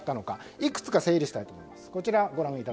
いくつか整理したいと思います。